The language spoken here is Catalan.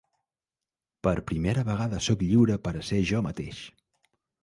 Per primera vegada soc lliure per a ser jo mateix.